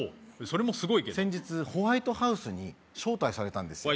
それもすごいけど先日ホワイトハウスに招待されたんです